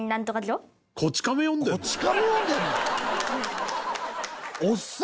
『こち亀』読んでるの？